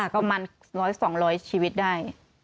กระมาณร้อยสองร้อยชีวิตได้